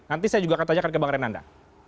nanti saya juga akan tanyakan ke bang renanda